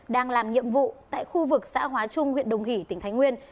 đang làm nhiệm vụ tại khu vực xã hóa trung huyện đồng hỷ tỉnh thái nguyên